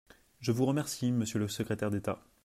Je vous remercie, monsieur le secrétaire d’État.